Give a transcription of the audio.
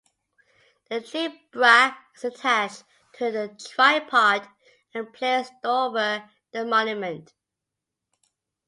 The tribrach is attached to the tripod and placed over the monument.